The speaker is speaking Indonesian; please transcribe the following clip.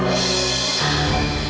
lihat buka mandi